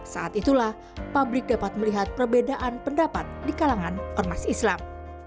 saat itulah pabrik dapat melihat perbedaan pendapat di kalangan ormas islam